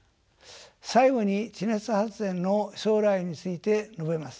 最後に地熱発電の将来について述べます。